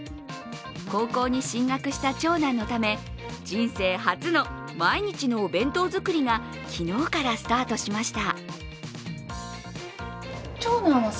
高校に進学した長男のため、人生初の毎日のお弁当作りが昨日からスタートしました。